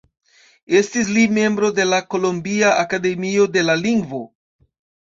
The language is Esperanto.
Estis li membro de la Kolombia akademio de la lingvo.